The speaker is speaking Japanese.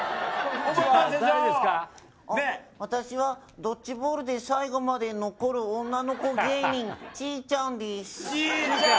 私はドッジボールで最後まで残る女の子芸人ちぃちゃん。